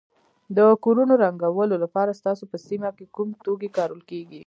د کورونو رنګولو لپاره ستاسو په سیمه کې کوم توکي کارول کیږي.